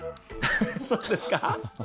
ハハそうですか。